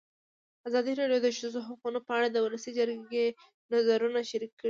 ازادي راډیو د د ښځو حقونه په اړه د ولسي جرګې نظرونه شریک کړي.